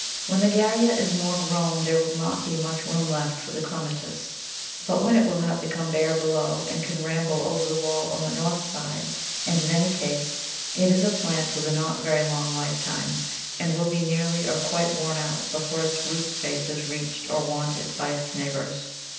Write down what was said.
When the Garrya is more grown there will not be much room left for the Clematis, but then it will have become bare below, and can ramble over the wall on the north side, and, in any case, it is a plant with a not very long lifetime, and will be nearly or quite worn out before its root space is reached or wanted by its neighbours.